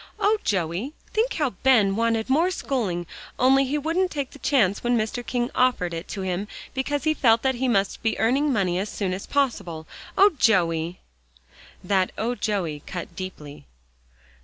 "Oh, Joey! think how Ben wanted more schooling, only he wouldn't take the chance when Mr. King offered it to him because he felt that he must be earning money as soon as possible. Oh, Joey!" That "Oh, Joey!" cut deeply.